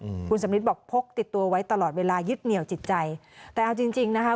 อืมคุณสำริทบอกพกติดตัวไว้ตลอดเวลายึดเหนียวจิตใจแต่เอาจริงจริงนะคะ